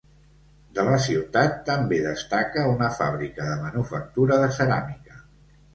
De la ciutat també destaca una fàbrica de manufactura de ceràmica.